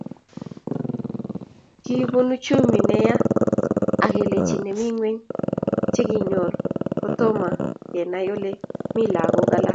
Kobun uchumi neya ak kelchin nemi ngweny cheki kinyor kotomakenai Ole mi lagok alak